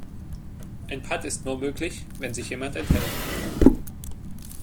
Ein Patt ist nur möglich, wenn sich jemand enthält.